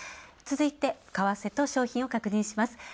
続いて為替と商品を確認します。